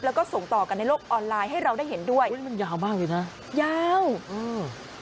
แล้วก็ส่งต่อกันในโลกออนไลน์ให้เราได้เห็นด้วยอุ้ยมันยาวมากเลยนะยาวอืม